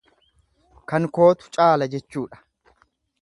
Kan kootu caala jechuudha.